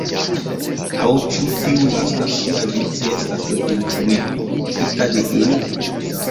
Aŭ ĉu tiu lasta siavice estis influita de ili?